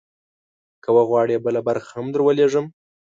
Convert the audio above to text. که وغواړې، بله برخه هم درولیږم.